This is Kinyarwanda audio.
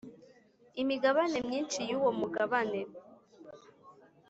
imigabane myinshi yuwo mugabane